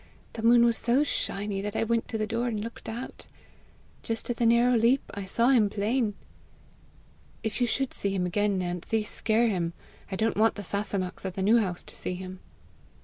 The moon was so shiny that I went to the door and looked out. Just at the narrow leap, I saw him plain." "If you should see him again, Nancy, scare him. I don't want the Sasunnachs at the New House to see him."